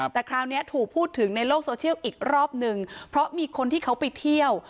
แต่คราวนี้ถูกพูดถึงในโลกโซเชียลอีกรอบนึงเพราะมีคนที่เขาไปเที่ยว